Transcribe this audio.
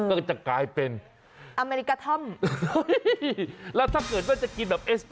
ก็จะกลายเป็นอเมริกาท่อมแล้วถ้าเกิดว่าจะกินแบบเอส